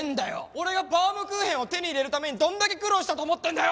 俺がバウムクーヘンを手に入れるためにどんだけ苦労したと思ってるんだよ！